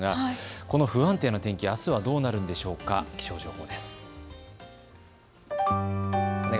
この不安定な天気、あすはどうなるんでしょうか、気象情報です。